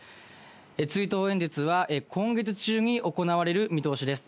追悼演説は今月中に行われる見通しです。